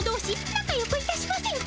なかよくいたしませんか？